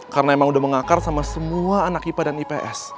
karena emang udah mengakar sama semua anak ipa dan ips